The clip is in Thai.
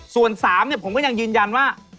ส่วน๓ผมก็ยังยืนยันว่า